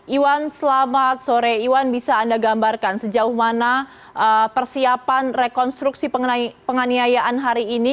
iwan selamat sore iwan bisa anda gambarkan sejauh mana persiapan rekonstruksi penganiayaan hari ini